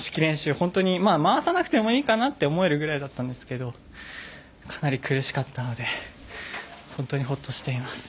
本当に回さなくてもいいかなと思えるぐらいだったんですけれどかなり苦しかったので本当にほっとしています。